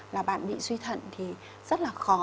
là bạn bị suy thận thì rất là khó